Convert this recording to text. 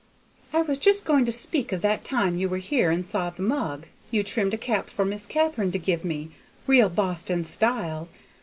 I was just going to speak of that time you were here and saw the mug; you trimmed a cap for Miss Katharine to give me, real Boston style.